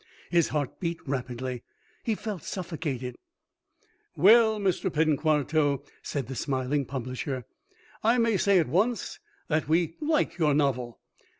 His heart beat rapidly. He felt suffocated. "Well, Mr. Penquarto," said the smiling publisher, "I may say at once that we like your novel.